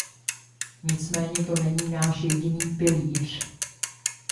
Nicméně to není náš jediný pilíř.